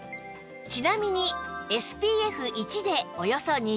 ちなみに ＳＰＦ１ でおよそ２０分